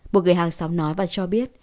một người hàng xóm nói và cho biết